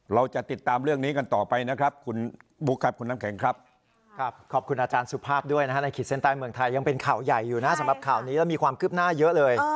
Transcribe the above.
เราจะติดตามเรื่องนี้กันต่อไปนะครับคุณบุ๊คครับคุณน้ำแข็งครับขอบคุณอาจารย์สุภาพด้วยนะฮะในขีดเส้นใต้เมืองไทยยังเป็นข่าวใหญ่อยู่นะสำหรับข่าวนี้แล้วมีความคืบหน้าเยอะเลย